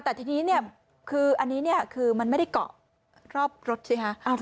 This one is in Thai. แต่ที่นี่คืออันนี้มันไม่ได้เกาะรอบรถใช่ไหมคะ